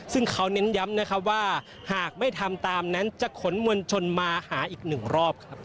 ซึ่งเขาเน้นย้ำนะครับว่าหากไม่ทำตามนั้นจะขนมวลชนมาหาอีกหนึ่งรอบครับ